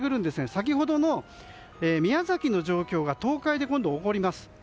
先ほどの宮崎の状況が今度は東海で起こります。